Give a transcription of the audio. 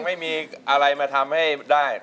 ไม่มีอะไรมาทำให้ได้